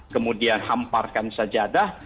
kemudian hamparkan sajadah